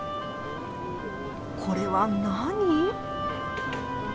これは何？